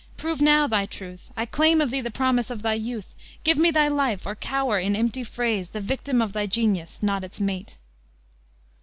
Prove now thy truth; I claim of thee the promise of thy youth; Give me thy life, or cower in empty phrase, The victim of thy genius, not its mate!"